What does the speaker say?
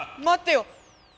待ってよ！